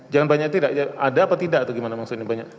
jangan banyak tidak ada apa tidak